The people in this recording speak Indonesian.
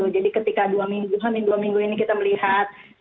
jadi ketika dua minggu minggu minggu ini kita melihat